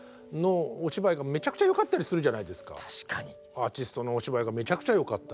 アーティストのお芝居がめちゃくちゃよかったり。